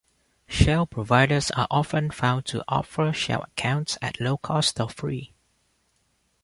Shell providers are often found to offer "shell accounts" at low-cost or free.